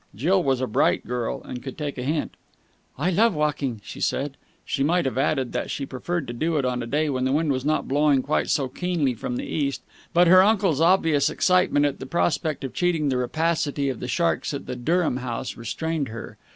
Jill was a bright girl, and could take a hint. "I love walking," she said. She might have added that she preferred to do it on a day when the wind was not blowing quite so keenly from the East, but her uncle's obvious excitement at the prospect of cheating the rapacity of the sharks at the Durham House restrained her.